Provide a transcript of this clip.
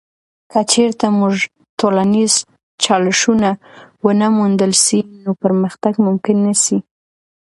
که چیرته موږ ټولنیز چالشونه ونه موندل سي، نو پرمختګ ممکن نه سي.